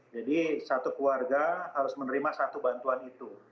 jadi satu keluarga harus menerima satu bantuan itu